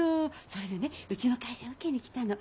それでねうちの会社受けに来たの。